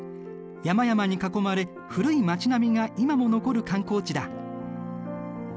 山々に囲まれ古い町並みが今も残る観光地だ。